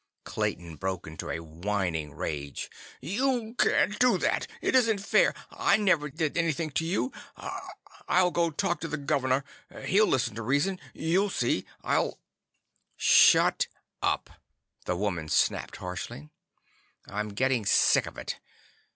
Clayton broke into a whining rage. "You can't do that! It isn't fair! I never did anything to you! I'll go talk to the Governor! He'll listen to reason! You'll see! I'll—" "Shut up!" the woman snapped harshly. "I'm getting sick of it!